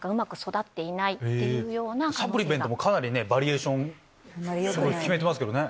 サプリメントもかなりバリエーション決めてますけどね。